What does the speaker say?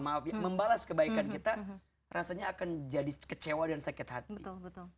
maaf ya membalas kebaikan kita rasanya akan jadi kecewa dan sakit hati betul